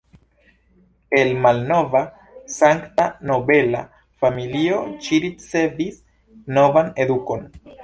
El malnova Saksa nobela familio, ŝi ricevis bonan edukon.